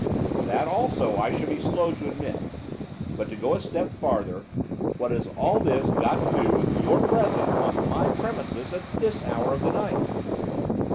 'That, also, I should be slow to admit; but to go a step farther what has all this to do with your presence on my premises at this hour of the night?